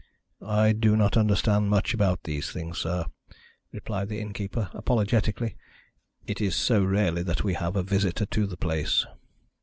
"I do not understand much about these things, sir," replied the innkeeper apologetically. "It is so rarely that we have a visitor to the place."